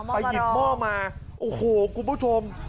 หยิบหม้อมาโอ้โหคุณผู้ชม